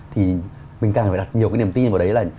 thì mình càng phải đặt nhiều cái niềm tin vào đấy là